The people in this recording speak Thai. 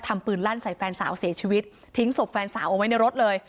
ปืนลั่นใส่แฟนสาวเสียชีวิตทิ้งศพแฟนสาวเอาไว้ในรถเลย